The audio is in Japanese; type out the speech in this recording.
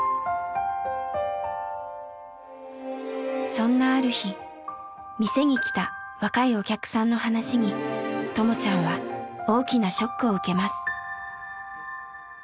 そんなある日店に来た若いお客さんの話にともちゃんは大きなショックを受けます。